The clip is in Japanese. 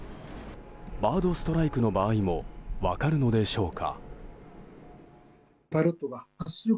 バードストライクの場合も分かるのでしょうか。